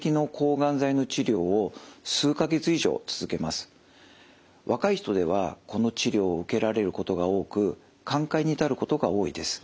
基本的には若い人ではこの治療を受けられることが多く寛解に至ることが多いです。